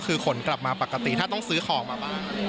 คือขนกลับมาปกติถ้าต้องซื้อของมาบ้าง